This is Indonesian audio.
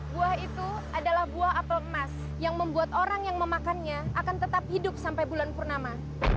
buah itu adalah buah apel emas yang membuat orang yang memakannya akan tetap hidup sampai bulan purnama